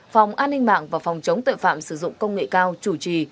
phòng an ninh mạng và phòng chống tội phạm sử dụng công nghệ cao chủ trì